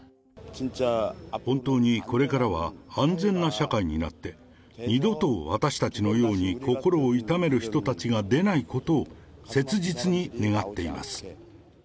本当にこれからは安全な社会になって、二度と私たちのように心を痛める人たちが出ないことを切実に願っています。